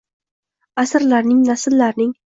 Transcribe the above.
Аsrlarning, nasllarning